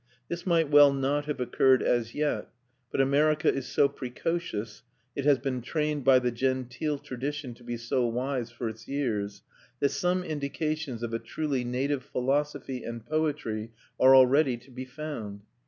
This might well not have occurred as yet; but America is so precocious, it has been trained by the genteel tradition to be so wise for its years, that some indications of a truly native philosophy and poetry are already to be found.